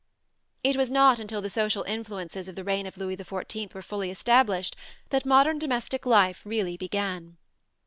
] It was not until the social influences of the reign of Louis XIV were fully established that modern domestic life really began.